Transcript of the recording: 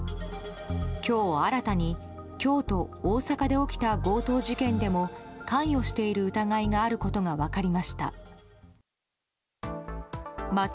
今日新たに、京都、大阪で起きた強盗事件でも関与している疑いがあることが分かりました。